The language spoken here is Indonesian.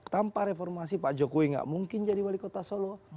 tanpa reformasi pak jokowi nggak mungkin jadi wali kota solo